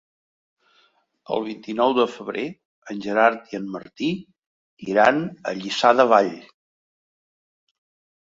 El vint-i-nou de febrer en Gerard i en Martí iran a Lliçà de Vall.